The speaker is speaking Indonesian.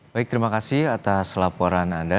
baik terima kasih atas laporan anda